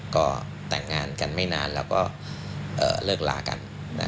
ก็แต่งงานกันไม่นานแล้วก็เลิกลากัน